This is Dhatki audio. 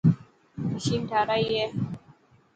مشين ٺارائي هي.